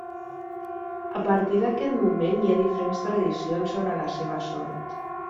A partir d'aquest moment hi ha diferents tradicions sobre la seva sort.